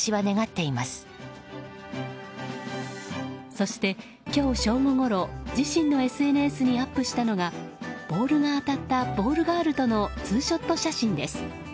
そして、今日正午ごろ自身のＳＮＳにアップしたのがボールが当たったボールガールとのツーショット写真です。